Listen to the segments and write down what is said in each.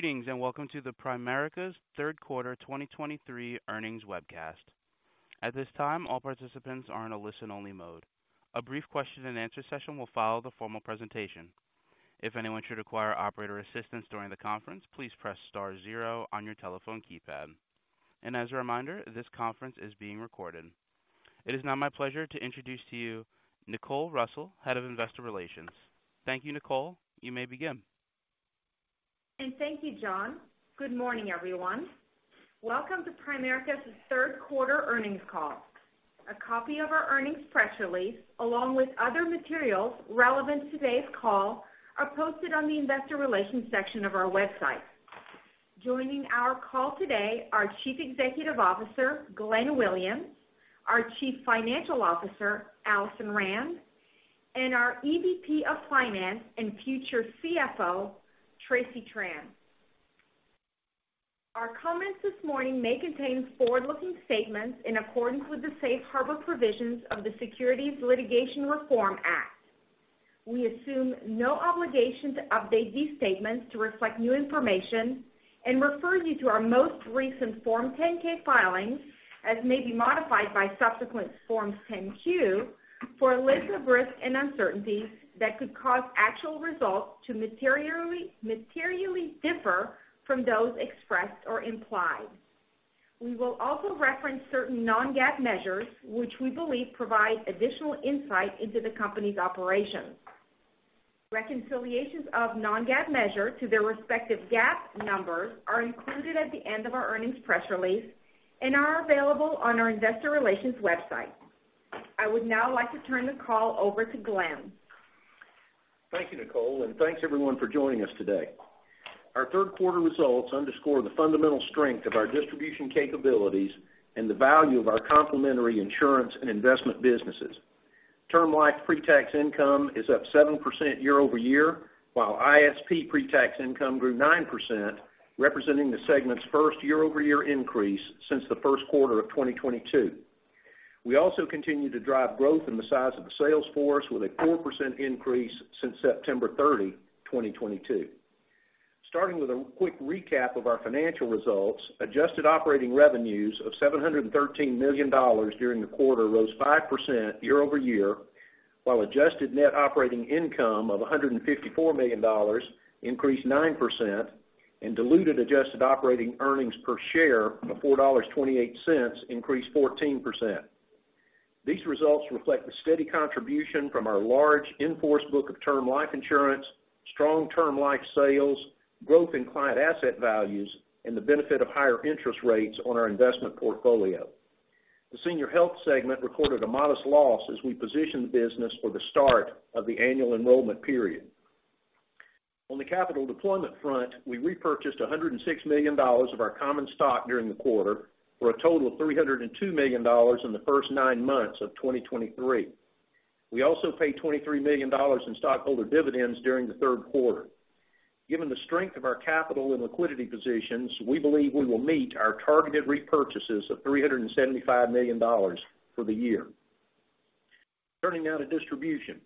Greetings, and welcome to Primerica's third quarter 2023 earnings webcast. At this time, all participants are in a listen-only mode. A brief question and answer session will follow the formal presentation. If anyone should require operator assistance during the conference, please press star zero on your telephone keypad. As a reminder, this conference is being recorded. It is now my pleasure to introduce to you Nicole Russell, Head of Investor Relations. Thank you, Nicole. You may begin. Thank you, John. Good morning, everyone. Welcome to Primerica's third quarter earnings call. A copy of our earnings press release, along with other materials relevant to today's call, are posted on the investor relations section of our website. Joining our call today are Chief Executive Officer, Glenn Williams, our Chief Financial Officer, Alison Rand, and our EVP of Finance and future CFO, Tracy Tan. Our comments this morning may contain forward-looking statements in accordance with the safe harbor provisions of the Securities Litigation Reform Act. We assume no obligation to update these statements to reflect new information and refer you to our most recent Form 10-K filings, as may be modified by subsequent Forms 10-Q, for a list of risks and uncertainties that could cause actual results to materially, materially differ from those expressed or implied. We will also reference certain non-GAAP measures, which we believe provide additional insight into the company's operations. Reconciliations of non-GAAP measure to their respective GAAP numbers are included at the end of our earnings press release and are available on our investor relations website. I would now like to turn the call over to Glenn. Thank you, Nicole, and thanks everyone for joining us today. Our third quarter results underscore the fundamental strength of our distribution capabilities and the value of our complementary insurance and investment businesses. Term life pre-tax income is up 7% year over year, while ISP pre-tax income grew 9%, representing the segment's first year-over-year increase since the first quarter of 2022. We also continue to drive growth in the size of the sales force, with a 4% increase since September 30, 2022. Starting with a quick recap of our financial results, adjusted operating revenues of $713 million during the quarter rose 5% year over year, while adjusted net operating income of $154 million increased 9%, and diluted adjusted operating earnings per share of $4.28 increased 14%. These results reflect the steady contribution from our large, in-force book of term life insurance, strong term life sales, growth in client asset values, and the benefit of higher interest rates on our investment portfolio. The senior health segment recorded a modest loss as we position the business for the start of the annual enrollment period. On the capital deployment front, we repurchased $106 million of our common stock during the quarter, for a total of $302 million in the first nine months of 2023. We also paid $23 million in stockholder dividends during the third quarter. Given the strength of our capital and liquidity positions, we believe we will meet our targeted repurchases of $375 million for the year. Turning now to distribution.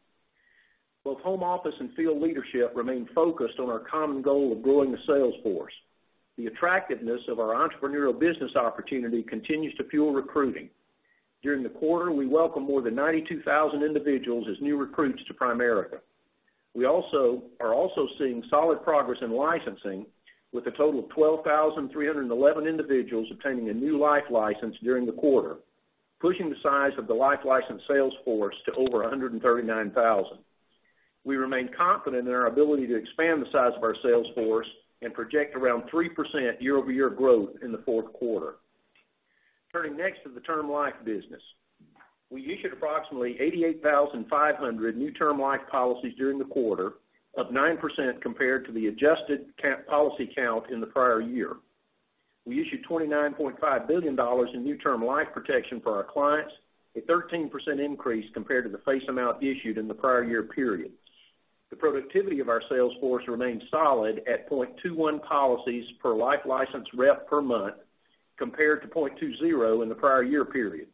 Both home office and field leadership remain focused on our common goal of growing the sales force. The attractiveness of our entrepreneurial business opportunity continues to fuel recruiting. During the quarter, we welcomed more than 92,000 individuals as new recruits to Primerica. We also are seeing solid progress in licensing, with a total of 12,311 individuals obtaining a new life license during the quarter, pushing the size of the life license sales force to over 139,000. We remain confident in our ability to expand the size of our sales force and project around 3% year-over-year growth in the fourth quarter. Turning next to the term life business. We issued approximately 88,500 new term life policies during the quarter, up 9% compared to the adjusted count, policy count in the prior year. We issued $29.5 billion in new term life protection for our clients, a 13% increase compared to the face amount issued in the prior year period. The productivity of our sales force remains solid at 0.21 policies per life license rep per month, compared to 0.20 in the prior year period.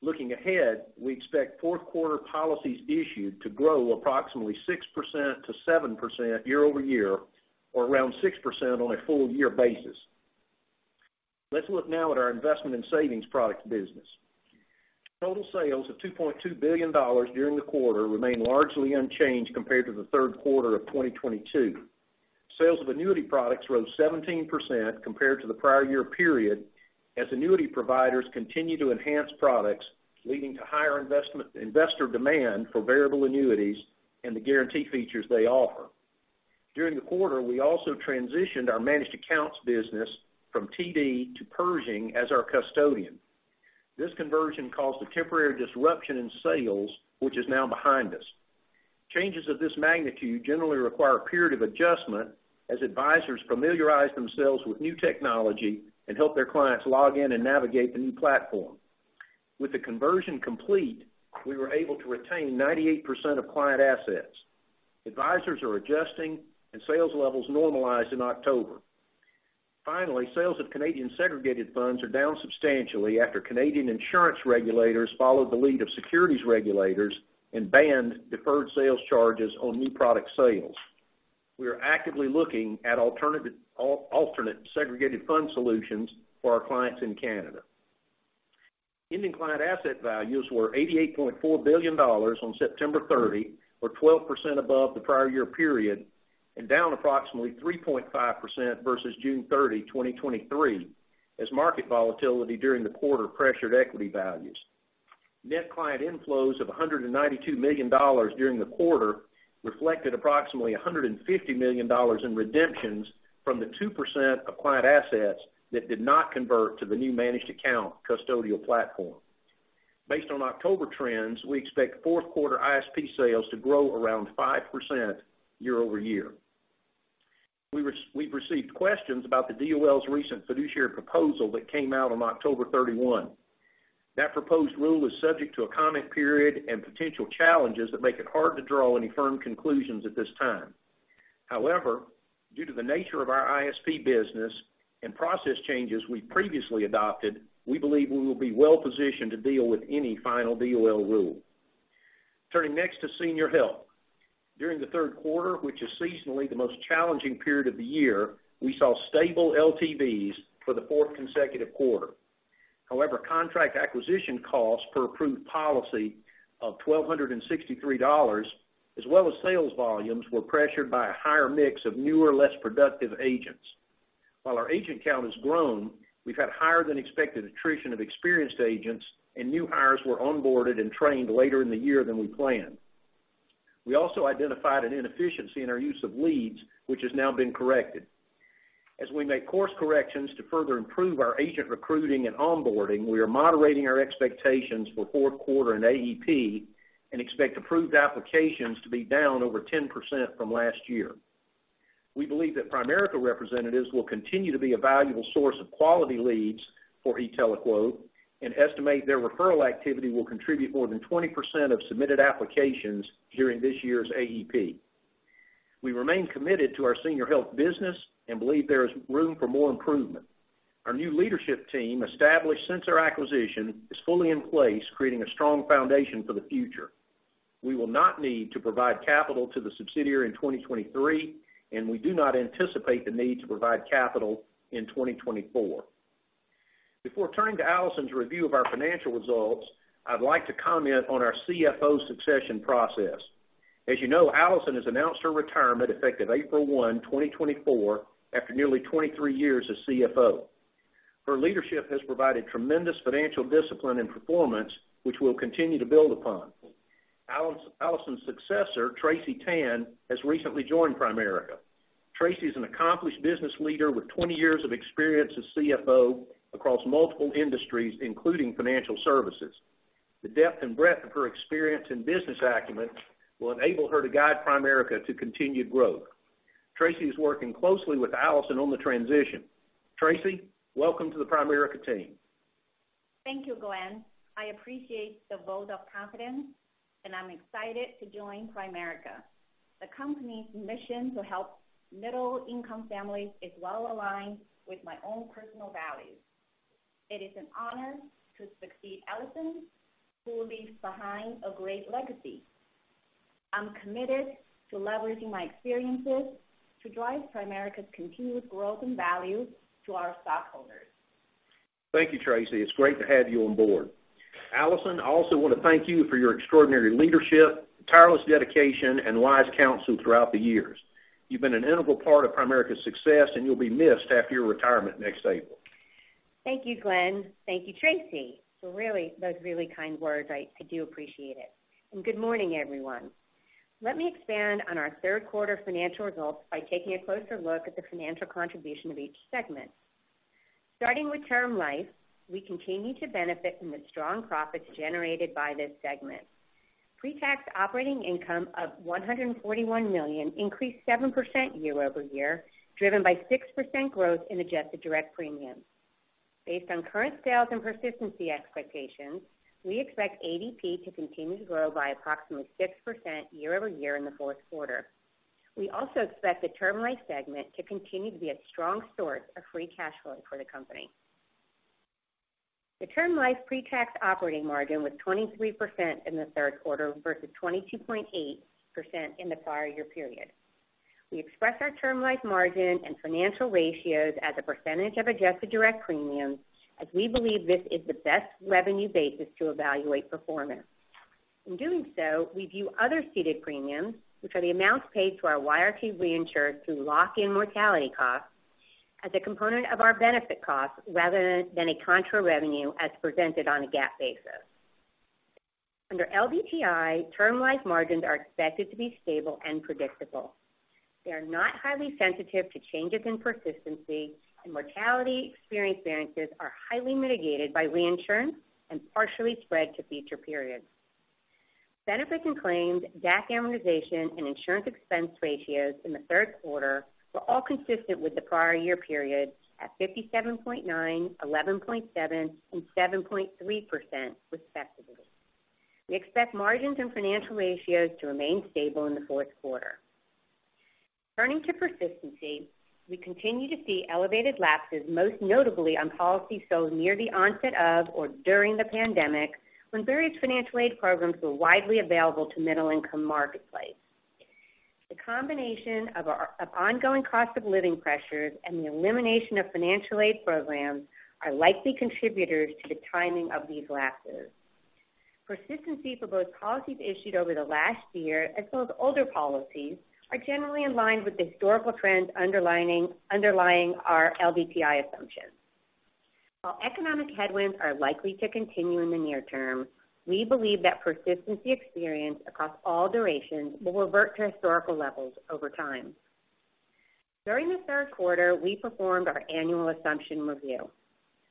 Looking ahead, we expect fourth quarter policies issued to grow approximately 6%-7% year-over-year, or around 6% on a full year basis. Let's look now at our investment and savings products business. Total sales of $2.2 billion during the quarter remain largely unchanged compared to the third quarter of 2022. Sales of annuity products rose 17% compared to the prior year period, as annuity providers continue to enhance products, leading to higher investor demand for variable annuities and the guarantee features they offer. During the quarter, we also transitioned our managed accounts business from TD to Pershing as our custodian. This conversion caused a temporary disruption in sales, which is now behind us. Changes of this magnitude generally require a period of adjustment as advisors familiarize themselves with new technology and help their clients log in and navigate the new platform. With the conversion complete, we were able to retain 98% of client assets. Advisors are adjusting, and sales levels normalized in October. Finally, sales of Canadian Segregated Funds are down substantially after Canadian insurance regulators followed the lead of securities regulators and banned deferred sales charges on new product sales. We are actively looking at alternative, alternate Segregated Fund solutions for our clients in Canada. Ending client asset values were $88.4 billion on September 30, or 12% above the prior year period, and down approximately 3.5% versus June 30, 2023, as market volatility during the quarter pressured equity values. Net client inflows of $192 million during the quarter reflected approximately $150 million in redemptions from the 2% of client assets that did not convert to the new managed account custodial platform. Based on October trends, we expect fourth quarter ISP sales to grow around 5% year over year. We've received questions about the DOL's recent fiduciary proposal that came out on October 31. That proposed rule is subject to a comment period and potential challenges that make it hard to draw any firm conclusions at this time. However, due to the nature of our ISP business and process changes we previously adopted, we believe we will be well positioned to deal with any final DOL rule. Turning next to Senior Health. During the third quarter, which is seasonally the most challenging period of the year, we saw stable LTVs for the fourth consecutive quarter. However, contract acquisition costs per approved policy of $1,263, as well as sales volumes, were pressured by a higher mix of newer, less productive agents. While our agent count has grown, we've had higher than expected attrition of experienced agents, and new hires were onboarded and trained later in the year than we planned. We also identified an inefficiency in our use of leads, which has now been corrected. As we make course corrections to further improve our agent recruiting and onboarding, we are moderating our expectations for fourth quarter and AEP, and expect approved applications to be down over 10% from last year. We believe that Primerica representatives will continue to be a valuable source of quality leads for e-TeleQuote, and estimate their referral activity will contribute more than 20% of submitted applications during this year's AEP. We remain committed to our Senior Health business and believe there is room for more improvement. Our new leadership team, established since our acquisition, is fully in place, creating a strong foundation for the future. We will not need to provide capital to the subsidiary in 2023, and we do not anticipate the need to provide capital in 2024. Before turning to Alison's review of our financial results, I'd like to comment on our CFO succession process. As you know, Alison has announced her retirement, effective April 1, 2024, after nearly 23 years as CFO. Her leadership has provided tremendous financial discipline and performance, which we'll continue to build upon. Alison's successor, Tracy Tan, has recently joined Primerica. Tracy is an accomplished business leader with 20 years of experience as CFO across multiple industries, including financial services. The depth and breadth of her experience and business acumen will enable her to guide Primerica to continued growth. Tracy is working closely with Alison on the transition. Tracy, welcome to the Primerica team. Thank you, Glenn. I appreciate the vote of confidence, and I'm excited to join Primerica. The company's mission to help middle-income families is well aligned with my own personal values. It is an honor to succeed Alison, who leaves behind a great legacy. I'm committed to leveraging my experiences to drive Primerica's continued growth and value to our stockholders. Thank you, Tracy. It's great to have you on board. Alison, I also want to thank you for your extraordinary leadership, tireless dedication, and wise counsel throughout the years. You've been an integral part of Primerica's success, and you'll be missed after your retirement next April. Thank you, Glenn. Thank you, Tracy, for really, those really kind words. I, I do appreciate it. Good morning, everyone. Let me expand on our third quarter financial results by taking a closer look at the financial contribution of each segment. Starting with Term Life, we continue to benefit from the strong profits generated by this segment. Pre-tax operating income of $141 million increased 7% year-over-year, driven by 6% growth in adjusted direct premiums. Based on current sales and persistency expectations, we expect ADP to continue to grow by approximately 6% year-over-year in the fourth quarter. We also expect the Term Life segment to continue to be a strong source of free cash flow for the company. The Term Life pre-tax operating margin was 23% in the third quarter versus 22.8% in the prior year period. We express our Term Life margin and financial ratios as a percentage of adjusted direct premiums, as we believe this is the best revenue basis to evaluate performance. In doing so, we view other ceded premiums, which are the amounts paid to our YRT reinsurer to lock in mortality costs, as a component of our benefit costs, rather than a contra revenue as presented on a GAAP basis. Under LDTI, Term Life margins are expected to be stable and predictable. They are not highly sensitive to changes in persistency, and mortality experience variances are highly mitigated by reinsurance and partially spread to future periods. Benefit and claims, DAC amortization, and insurance expense ratios in the third quarter were all consistent with the prior year period at 57.9%, 11.7%, and 7.3%, respectively. We expect margins and financial ratios to remain stable in the fourth quarter. Turning to persistency, we continue to see elevated lapses, most notably on policies sold near the onset of or during the pandemic, when various financial aid programs were widely available to middle-income marketplace. The combination of ongoing cost of living pressures and the elimination of financial aid programs are likely contributors to the timing of these lapses. Persistency for both policies issued over the last year as well as older policies are generally in line with the historical trends underlying our LDTI assumptions. While economic headwinds are likely to continue in the near term, we believe that persistency experience across all durations will revert to historical levels over time. During the third quarter, we performed our annual assumption review.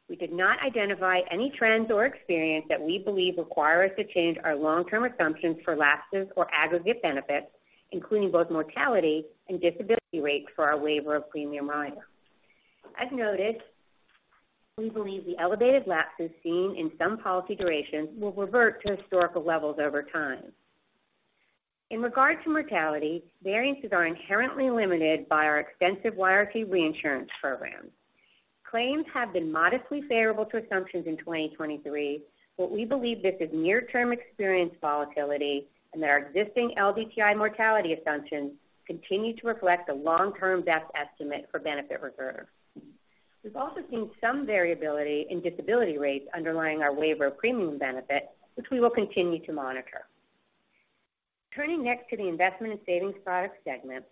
We did not identify any trends or experience that we believe require us to change our long-term assumptions for lapses or aggregate benefits, including both mortality and disability rates for our waiver of premium rider. As noted, we believe the elevated lapses seen in some policy durations will revert to historical levels over time. In regard to mortality, variances are inherently limited by our extensive YRT reinsurance program. Claims have been modestly favorable to assumptions in 2023, but we believe this is near-term experience volatility and that our existing LDTI mortality assumptions continue to reflect the long-term death estimate for benefit reserves. We've also seen some variability in disability rates underlying our waiver of premium benefit, which we will continue to monitor. Turning next to the Investment and Savings Products segment,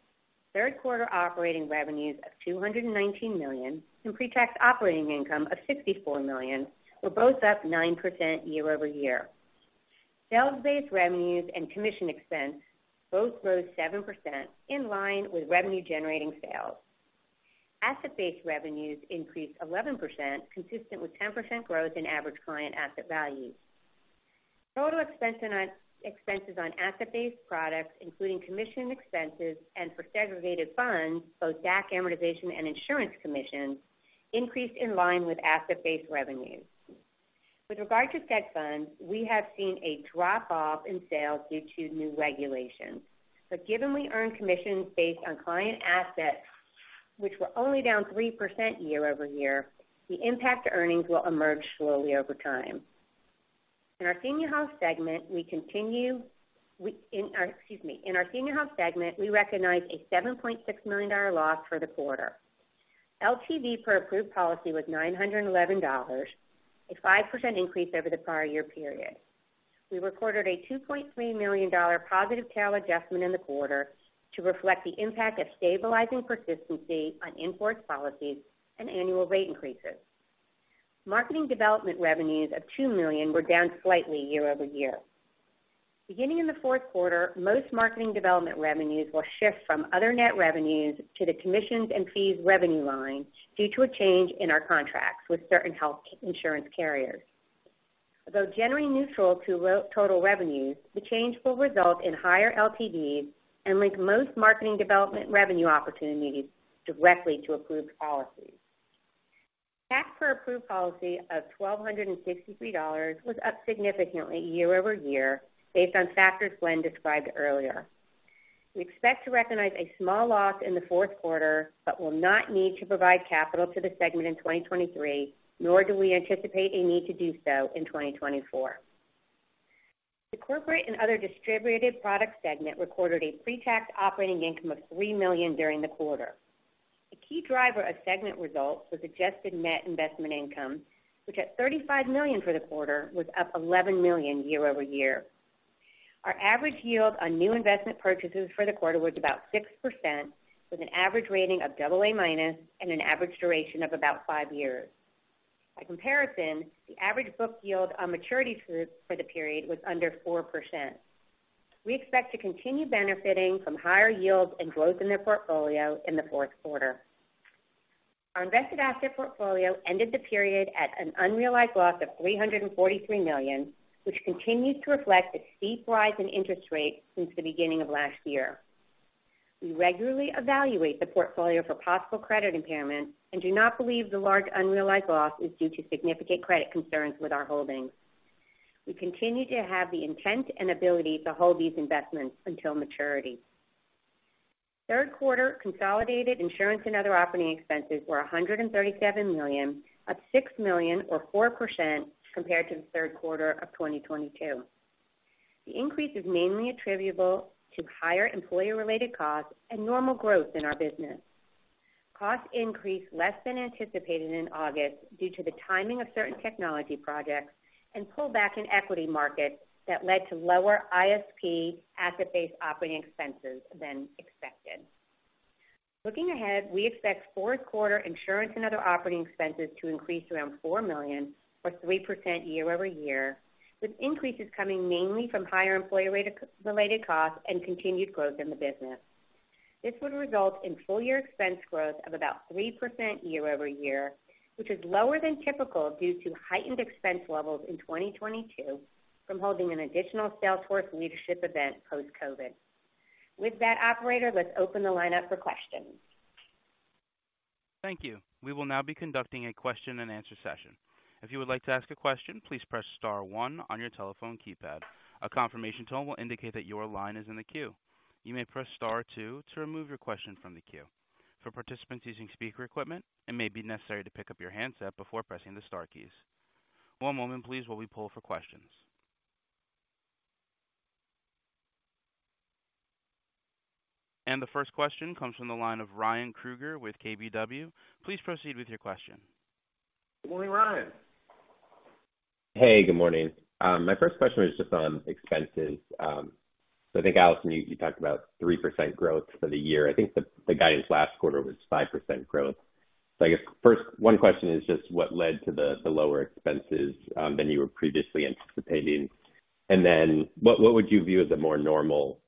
third quarter operating revenues of $219 million, and pre-tax operating income of $64 million were both up 9% year-over-year. Sales-based revenues and commission expense both rose 7% in line with revenue-generating sales. Asset-based revenues increased 11%, consistent with 10% growth in average client asset values. Total expenses on asset-based products, including commission expenses and for segregated funds, both DAC amortization and insurance commissions, increased in line with asset-based revenues. With regard to seg funds, we have seen a drop-off in sales due to new regulations, but given we earn commissions based on client assets, which were only down 3% year-over-year, the impact to earnings will emerge slowly over time. In our senior health segment, we recognize a $7.6 million loss for the quarter. LTV per approved policy was $911, a 5% increase over the prior year period. We recorded a $2.3 million positive tail adjustment in the quarter to reflect the impact of stabilizing persistency on in-force policies and annual rate increases. Marketing development revenues of $2 million were down slightly year-over-year. Beginning in the fourth quarter, most marketing development revenues will shift from other net revenues to the commissions and fees revenue line due to a change in our contracts with certain health insurance carriers. Although generally neutral to total revenues, the change will result in higher LTVs and link most marketing development revenue opportunities directly to approved policies. CAC per approved policy of $1,263 was up significantly year-over-year based on factors Glenn described earlier. We expect to recognize a small loss in the fourth quarter, but will not need to provide capital to the segment in 2023, nor do we anticipate a need to do so in 2024. The corporate and other distributed products segment recorded a pre-tax operating income of $3 million during the quarter. A key driver of segment results was adjusted net investment income, which at $35 million for the quarter, was up $11 million year-over-year. Our average yield on new investment purchases for the quarter was about 6%, with an average rating of AA- and an average duration of about 5 years. By comparison, the average book yield on maturity for the period was under 4%. We expect to continue benefiting from higher yields and growth in their portfolio in the fourth quarter. Our invested asset portfolio ended the period at an unrealized loss of $343 million, which continues to reflect the steep rise in interest rates since the beginning of last year. We regularly evaluate the portfolio for possible credit impairment and do not believe the large unrealized loss is due to significant credit concerns with our holdings. We continue to have the intent and ability to hold these investments until maturity. Third quarter consolidated insurance and other operating expenses were $137 million, up $6 million or 4% compared to the third quarter of 2022. The increase is mainly attributable to higher employee-related costs and normal growth in our business. Costs increased less than anticipated in August due to the timing of certain technology projects and pullback in equity markets that led to lower ISP asset-based operating expenses than expected. Looking ahead, we expect fourth quarter insurance and other operating expenses to increase around $4 million or 3% year-over-year, with increases coming mainly from higher employee-related costs and continued growth in the business. This would result in full year expense growth of about 3% year-over-year, which is lower than typical due to heightened expense levels in 2022 from holding an additional sales force leadership event post-COVID. With that, operator, let's open the line up for questions.... Thank you. We will now be conducting a question-and-answer session. If you would like to ask a question, please press star one on your telephone keypad. A confirmation tone will indicate that your line is in the queue. You may press star two to remove your question from the queue. For participants using speaker equipment, it may be necessary to pick up your handset before pressing the star keys. One moment, please, while we pull for questions. The first question comes from the line of Ryan Krueger with KBW. Please proceed with your question. Good morning, Ryan. Hey, good morning. My first question is just on expenses. So I think, Alison, you talked about 3% growth for the year. I think the guidance last quarter was 5% growth. So I guess first, one question is just what led to the lower expenses than you were previously anticipating? And then what would you view as a more normal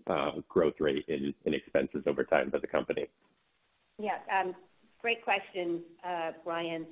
growth rate in expenses over time for the company? Yes, great question, Ryan.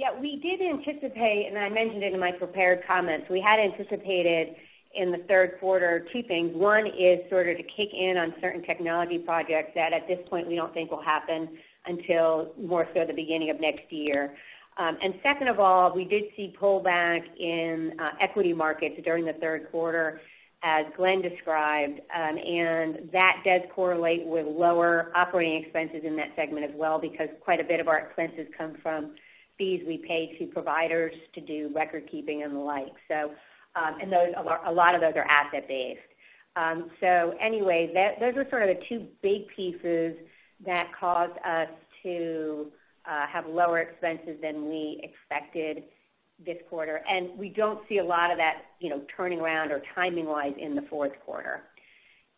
Yeah, we did anticipate, and I mentioned it in my prepared comments. We had anticipated in the third quarter two things. One is sort of to kick in on certain technology projects that at this point, we don't think will happen until more so the beginning of next year. And second of all, we did see pullback in equity markets during the third quarter, as Glenn described. And that does correlate with lower operating expenses in that segment as well, because quite a bit of our expenses come from fees we pay to providers to do record keeping and the like. So, and those, a lot, a lot of those are asset-based. So anyway, those are sort of the two big pieces that caused us to have lower expenses than we expected this quarter, and we don't see a lot of that, you know, turning around or timing-wise in the fourth quarter.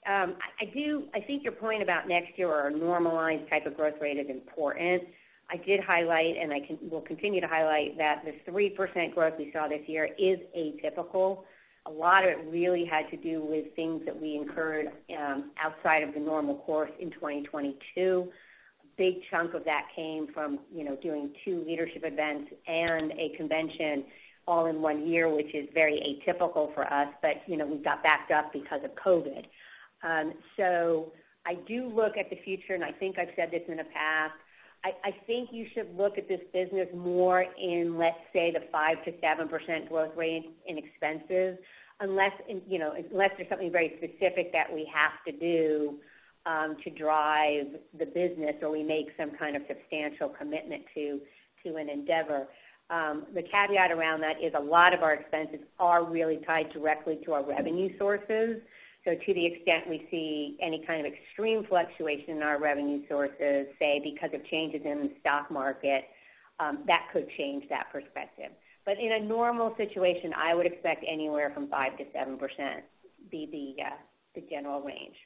I think your point about next year or a normalized type of growth rate is important. I did highlight, and I will continue to highlight that the 3% growth we saw this year is atypical. A lot of it really had to do with things that we incurred outside of the normal course in 2022. A big chunk of that came from, you know, doing two leadership events and a convention all in one year, which is very atypical for us. But, you know, we got backed up because of COVID. So I do look at the future, and I think I've said this in the past. I think you should look at this business more in, let's say, the 5%-7% growth range in expenses, unless, you know, unless there's something very specific that we have to do to drive the business or we make some kind of substantial commitment to an endeavor. The caveat around that is a lot of our expenses are really tied directly to our revenue sources. So to the extent we see any kind of extreme fluctuation in our revenue sources, say, because of changes in the stock market, that could change that perspective. But in a normal situation, I would expect anywhere from 5%-7% be the general range.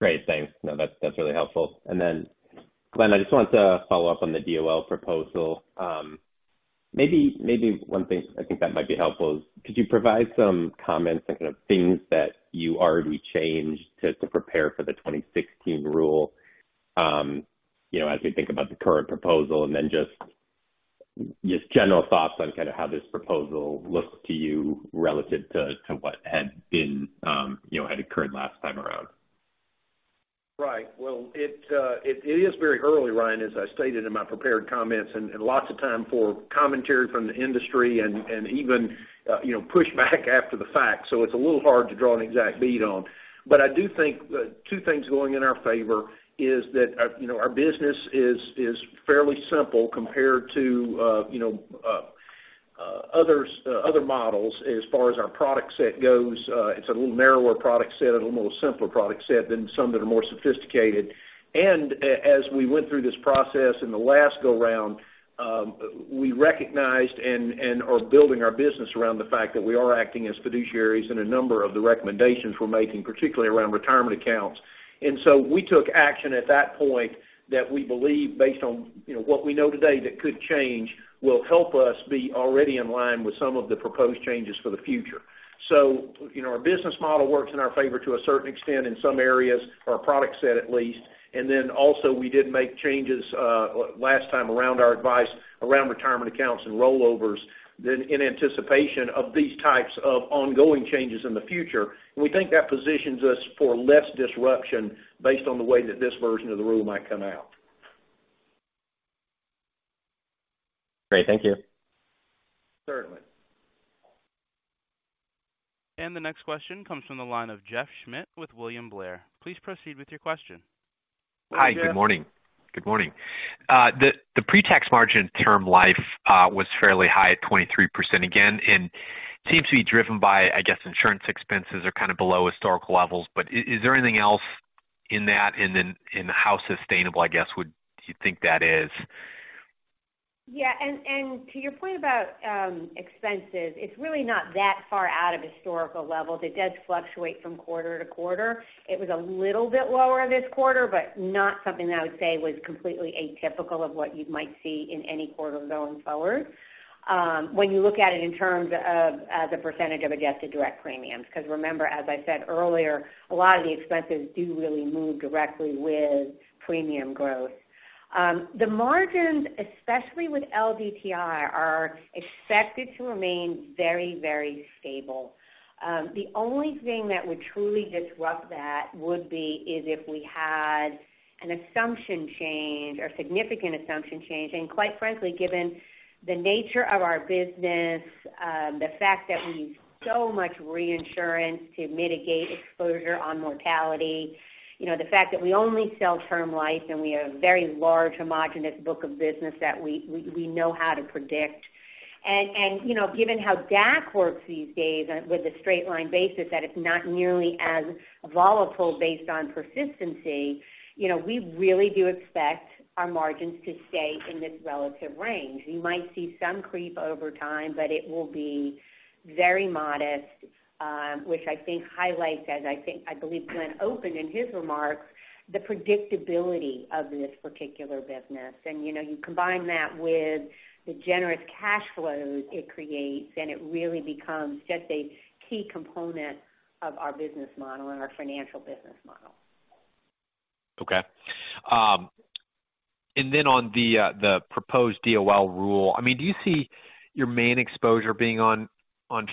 Great, thanks. No, that's really helpful. And then, Glenn, I just wanted to follow up on the DOL proposal. Maybe one thing I think that might be helpful is, could you provide some comments on kind of things that you already changed to prepare for the 2016 rule, you know, as we think about the current proposal, and then just general thoughts on kind of how this proposal looks to you relative to what had been, you know, had occurred last time around? Right. Well, it is very early, Ryan, as I stated in my prepared comments, and lots of time for commentary from the industry and even, you know, pushback after the fact. So it's a little hard to draw an exact bead on. But I do think, two things going in our favor is that, you know, our business is fairly simple compared to, you know, others, other models. As far as our product set goes, it's a little narrower product set, a little simpler product set than some that are more sophisticated. And as we went through this process in the last go-round, we recognized and are building our business around the fact that we are acting as fiduciaries in a number of the recommendations we're making, particularly around retirement accounts. We took action at that point that we believe, based on, you know, what we know today, that could change, will help us be already in line with some of the proposed changes for the future. So, you know, our business model works in our favor to a certain extent in some areas, our product set at least. And then also, we did make changes last time around our advice around retirement accounts and rollovers, then in anticipation of these types of ongoing changes in the future. We think that positions us for less disruption based on the way that this version of the rule might come out. Great. Thank you. Certainly. The next question comes from the line of Jeff Schmitt with William Blair. Please proceed with your question. Hi, good morning. Good morning. The pretax margin term life was fairly high at 23% again, and seems to be driven by, I guess, insurance expenses are kind of below historical levels. Is there anything else in that, and then, and how sustainable, I guess, would you think that is? Yeah, and to your point about expenses, it's really not that far out of historical levels. It does fluctuate from quarter to quarter. It was a little bit lower this quarter, but not something that I would say was completely atypical of what you might see in any quarter going forward, when you look at it in terms of the percentage of adjusted direct premiums. Because remember, as I said earlier, a lot of the expenses do really move directly with premium growth. The margins, especially with LDTI, are expected to remain very, very stable. The only thing that would truly disrupt that would be is if we had an assumption change or significant assumption change, and quite frankly, given the nature of our business, the fact that we use so much reinsurance to mitigate exposure on mortality, you know, the fact that we only sell term life, and we have a very large homogenous book of business that we know how to predict. And, you know, given how DAC works these days with a straight line basis, that it's not nearly as volatile based on persistency, you know, we really do expect our margins to stay in this relative range. You might see some creep over time, but it will be very modest, which I think highlights, as I think, I believe Glenn Williams opened in his remarks, the predictability of this particular business. You know, you combine that with the generous cash flows it creates, and it really becomes just a key component of our business model and our financial business model. Okay. And then on the, the proposed DOL rule, I mean, do you see your main exposure being on, on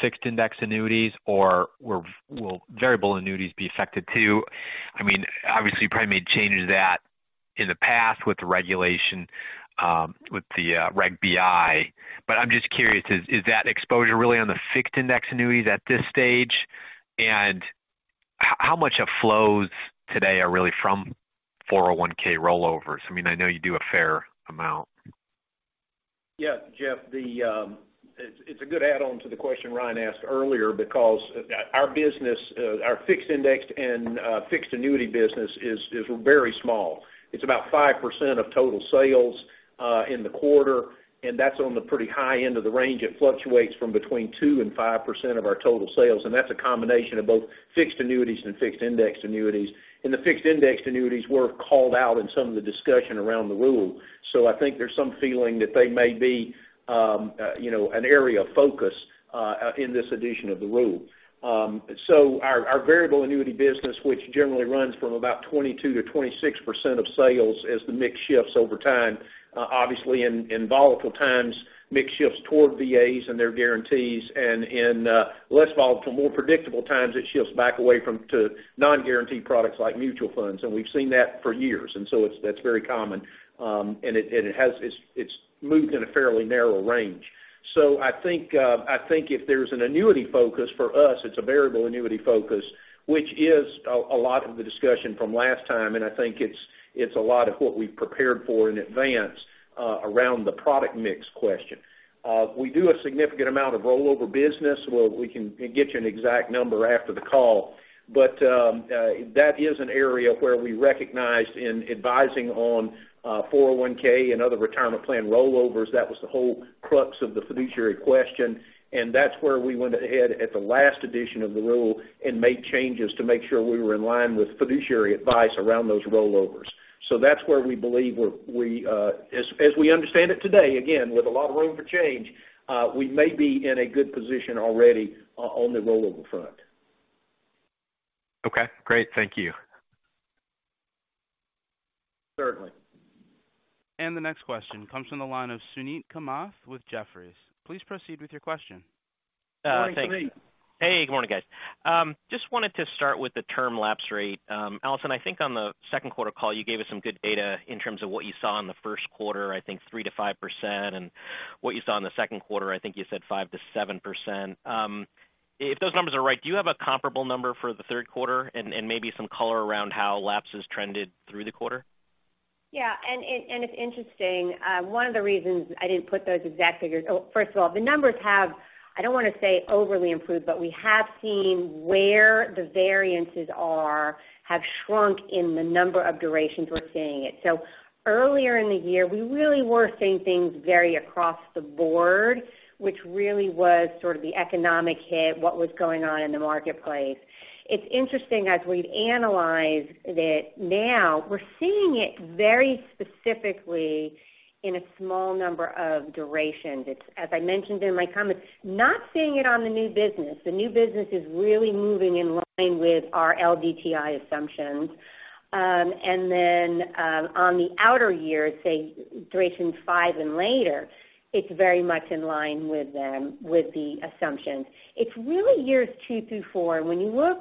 fixed index annuities, or will variable annuities be affected, too? I mean, obviously, you probably made changes to that in the past with the regulation, with the, Reg BI. But I'm just curious, is, is that exposure really on the fixed index annuities at this stage? And how much of flows today are really from 401 rollovers? I mean, I know you do a fair amount. Yeah, Jeff, it's a good add-on to the question Ryan asked earlier, because our business, our fixed indexed and fixed annuity business is very small. It's about 5% of total sales in the quarter, and that's on the pretty high end of the range. It fluctuates between 2% and 5% of our total sales, and that's a combination of both fixed annuities and fixed indexed annuities. And the fixed indexed annuities were called out in some of the discussion around the rule. So I think there's some feeling that they may be, you know, an area of focus in this edition of the rule. So our variable annuity business, which generally runs from about 22%-26% of sales as the mix shifts over time, obviously, in volatile times, mix shifts toward VAs and their guarantees, and in less volatile, more predictable times, it shifts back away from to non-guaranteed products like mutual funds, and we've seen that for years. So it's—that's very common. And it has. It's moved in a fairly narrow range. So I think if there's an annuity focus for us, it's a variable annuity focus, which is a lot of the discussion from last time, and I think it's a lot of what we've prepared for in advance around the product mix question. We do a significant amount of rollover business, where we can get you an exact number after the call. But, that is an area where we recognized in advising on 401 and other retirement plan rollovers. That was the whole crux of the fiduciary question, and that's where we went ahead at the last edition of the rule and made changes to make sure we were in line with fiduciary advice around those rollovers. So that's where we believe we're as we understand it today, again, with a lot of room for change, we may be in a good position already on the rollover front. Okay, great. Thank you. Certainly. The next question comes from the line of Suneet Kamath with Jefferies. Please proceed with your question. Good morning, Suneet. Thank you. Hey, good morning, guys. Just wanted to start with the term lapse rate. Alison, I think on the second quarter call, you gave us some good data in terms of what you saw in the first quarter, I think 3%-5%, and what you saw in the second quarter, I think you said 5%-7%. If those numbers are right, do you have a comparable number for the third quarter and maybe some color around how lapses trended through the quarter? Yeah, and it's interesting. One of the reasons I didn't put those exact figures. Oh, first of all, the numbers have, I don't want to say overly improved, but we have seen where the variances are, have shrunk in the number of durations we're seeing it. So earlier in the year, we really were seeing things vary across the board, which really was sort of the economic hit, what was going on in the marketplace. It's interesting as we've analyzed it now, we're seeing it very specifically in a small number of durations. It's, as I mentioned in my comments, not seeing it on the new business. The new business is really moving in line with our LDTI assumptions. And then, on the outer years, say durations five and later, it's very much in line with them, with the assumptions. It's really years two through four. When you look,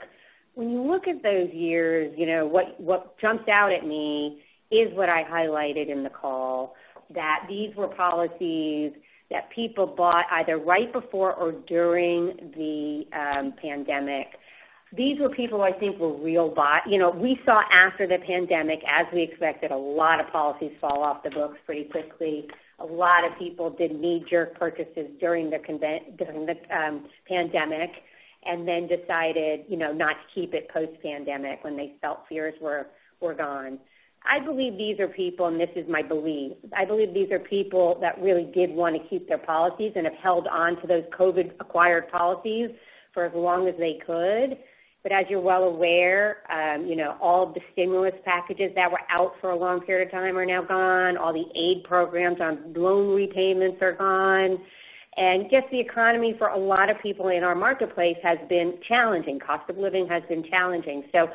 when you look at those years, you know, what, what jumps out at me is what I highlighted in the call, that these were policies that people bought either right before or during the pandemic. These were people I think were real. You know, we saw after the pandemic, as we expected, a lot of policies fall off the books pretty quickly. A lot of people did knee-jerk purchases during the pandemic, and then decided, you know, not to keep it post-pandemic when they felt fears were, were gone. I believe these are people, and this is my belief, I believe these are people that really did want to keep their policies and have held on to those COVID-acquired policies for as long as they could. But as you're well aware, you know, all the stimulus packages that were out for a long period of time are now gone. All the aid programs on loan repayments are gone. And just the economy for a lot of people in our marketplace has been challenging. Cost of living has been challenging. So I-...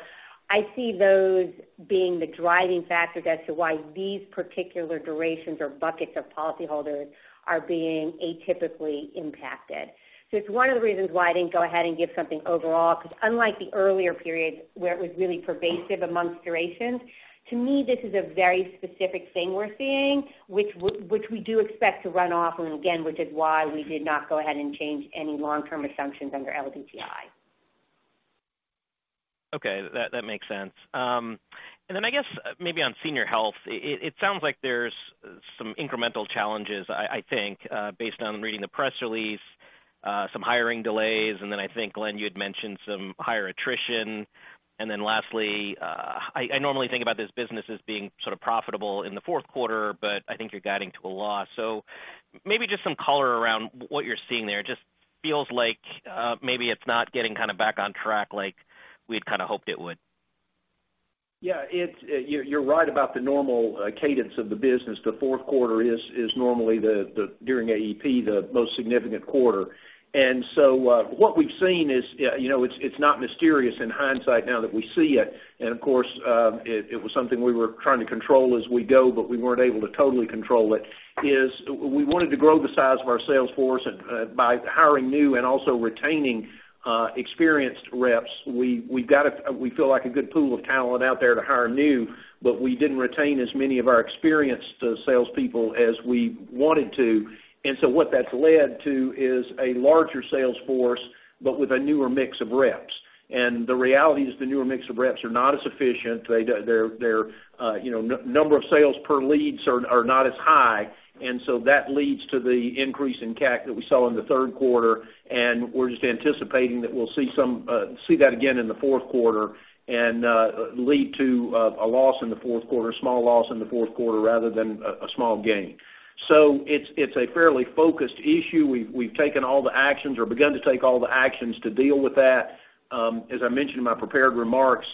I see those being the driving factor as to why these particular durations or buckets of policyholders are being atypically impacted. So it's one of the reasons why I didn't go ahead and give something overall, because unlike the earlier periods where it was really pervasive among durations, to me, this is a very specific thing we're seeing, which we do expect to run off, and again, which is why we did not go ahead and change any long-term assumptions under LDTI. Okay, that makes sense. And then I guess maybe on Senior Health, it sounds like there's some incremental challenges, I think, based on reading the press release, some hiring delays, and then I think, Glenn, you had mentioned some higher attrition. And then lastly, I normally think about this business as being sort of profitable in the fourth quarter, but I think you're guiding to a loss. So maybe just some color around what you're seeing there. Just feels like, maybe it's not getting kind of back on track like we had kind of hoped it would. Yeah, it's, you're right about the normal cadence of the business. The fourth quarter is normally, during AEP, the most significant quarter. And so, what we've seen is, you know, it's not mysterious in hindsight now that we see it, and of course, it was something we were trying to control as we go, but we weren't able to totally control it. We wanted to grow the size of our sales force by hiring new and also retaining experienced reps. We've got, we feel like a good pool of talent out there to hire new, but we didn't retain as many of our experienced salespeople as we wanted to. And so what that's led to is a larger sales force, but with a newer mix of reps. The reality is the newer mix of reps are not as efficient. They're, you know, number of sales per leads are not as high, and so that leads to the increase in CAC that we saw in the third quarter, and we're just anticipating that we'll see some, see that again in the fourth quarter, and lead to a loss in the fourth quarter, a small loss in the fourth quarter rather than a small gain. So it's a fairly focused issue. We've taken all the actions or begun to take all the actions to deal with that. As I mentioned in my prepared remarks,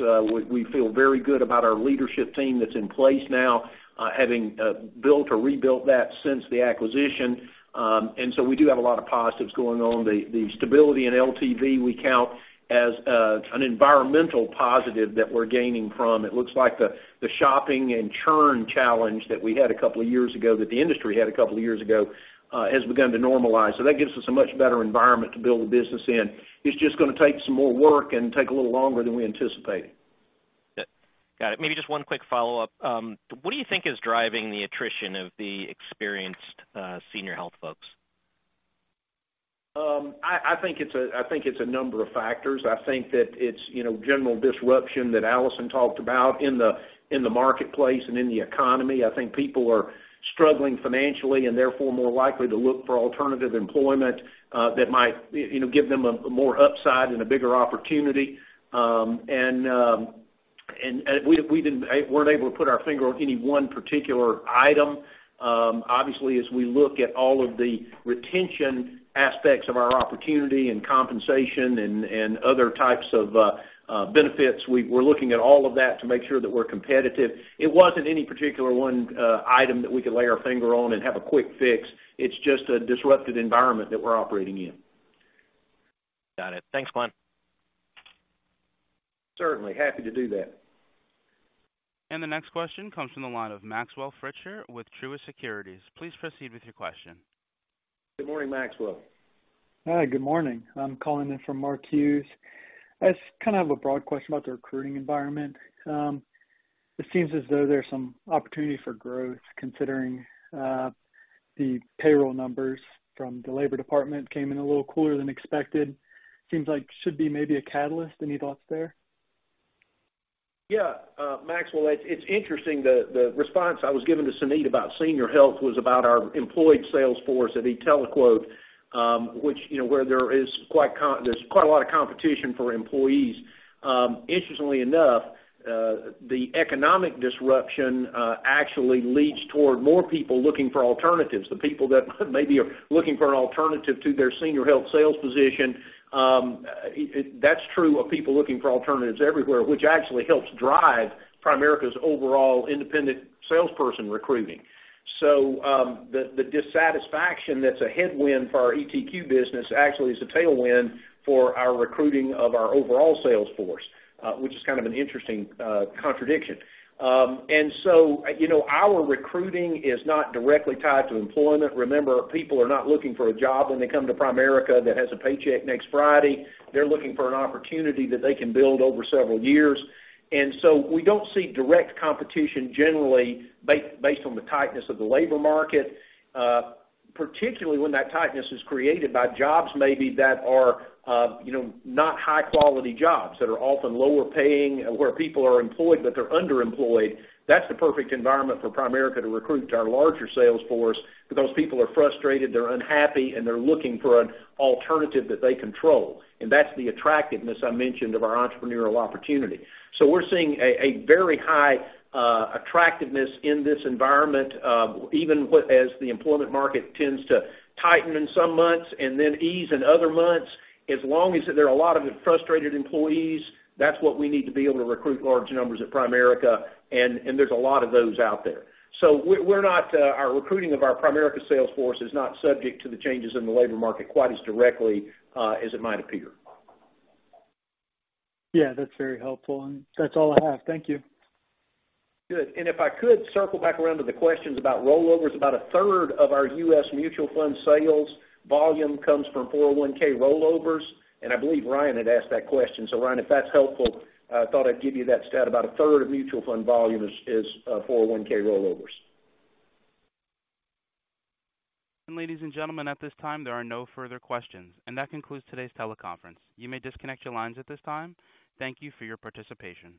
we feel very good about our leadership team that's in place now, having built or rebuilt that since the acquisition. and so we do have a lot of positives going on. The stability in LTV, we count as an environmental positive that we're gaining from. It looks like the shopping and churn challenge that we had a couple of years ago, that the industry had a couple of years ago, has begun to normalize. So that gives us a much better environment to build the business in. It's just gonna take some more work and take a little longer than we anticipated. Got it. Maybe just one quick follow-up. What do you think is driving the attrition of the experienced, Senior Health folks? I think it's a number of factors. I think that it's, you know, general disruption that Alison talked about in the marketplace and in the economy. I think people are struggling financially and therefore more likely to look for alternative employment that might, you know, give them a more upside and a bigger opportunity. And we weren't able to put our finger on any one particular item. Obviously, as we look at all of the retention aspects of our opportunity and compensation and other types of benefits, we're looking at all of that to make sure that we're competitive. It wasn't any particular one item that we could lay our finger on and have a quick fix. It's just a disrupted environment that we're operating in. Got it. Thanks, Glenn. Certainly, happy to do that. The next question comes from the line of Maxwell Fritscher with Truist Securities. Please proceed with your question. Good morning, Maxwell. Hi, good morning. I'm calling in from Mark Hughes. I just kind of have a broad question about the recruiting environment. It seems as though there's some opportunity for growth, considering, the payroll numbers from the Labor Department came in a little cooler than expected. Seems like should be maybe a catalyst. Any thoughts there? Yeah, Maxwell, it's interesting, the response I was giving to Suneet about Senior Health was about our employed sales force at e-TeleQuote, which, you know, where there is quite a lot of competition for employees. Interestingly enough, the economic disruption actually leads toward more people looking for alternatives, the people that maybe are looking for an alternative to their Senior Health sales position. That's true of people looking for alternatives everywhere, which actually helps drive Primerica's overall independent salesperson recruiting. So, the dissatisfaction that's a headwind for our ETQ business actually is a tailwind for our recruiting of our overall sales force, which is kind of an interesting contradiction. And so, you know, our recruiting is not directly tied to employment. Remember, people are not looking for a job when they come to Primerica that has a paycheck next Friday. They're looking for an opportunity that they can build over several years. So we don't see direct competition generally, based on the tightness of the labor market, particularly when that tightness is created by jobs maybe that are, you know, not high quality jobs, that are often lower paying, where people are employed, but they're underemployed. That's the perfect environment for Primerica to recruit to our larger sales force, because those people are frustrated, they're unhappy, and they're looking for an alternative that they control. And that's the attractiveness I mentioned of our entrepreneurial opportunity. So we're seeing a very high attractiveness in this environment, even as the employment market tends to tighten in some months and then ease in other months. As long as there are a lot of frustrated employees, that's what we need to be able to recruit large numbers at Primerica, and there's a lot of those out there. So we're not, our recruiting of our Primerica sales force is not subject to the changes in the labor market quite as directly, as it might appear. Yeah, that's very helpful, and that's all I have. Thank you. Good. And if I could circle back around to the questions about rollovers, about a third of our U.S. mutual fund sales volume comes from 401 rollovers, and I believe Ryan had asked that question. So Ryan, if that's helpful, I thought I'd give you that stat. About a third of mutual fund volume is 401 rollovers. Ladies and gentlemen, at this time, there are no further questions. That concludes today's teleconference. You may disconnect your lines at this time. Thank you for your participation.